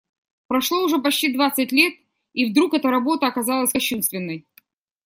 Прошло уже почти двадцать лет, и вдруг эта работа оказалась кощунственной.